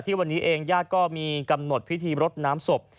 วันนี้เองญาติก็มีกำหนดพิธีรดน้ำศพ